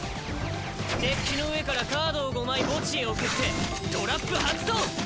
デッキの上からカードを５枚墓地へ送ってトラップ発動！